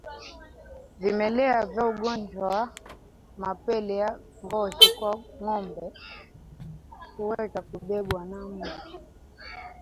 Vimelea vya ugonjwa wa mapele ya ngozi kwa ngombe huweza kubebwa na mbu